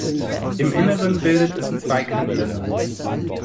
Im Inneren bildet es zwei Kanäle.